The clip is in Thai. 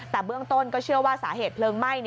แต่เบื้องต้นก็เชื่อว่าสาเหตุเพลิงไหม้